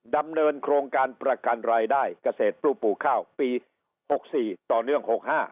ดำเนินโครงการประกันรายได้เกษตรผู้ปลูกข้าวปี๖๔ต่อเนื่อง๖๕